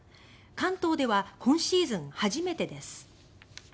関東では今シーズン初めてです。